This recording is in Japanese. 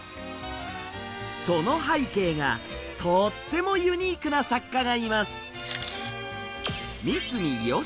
その背景がとってもユニークな作家がいます。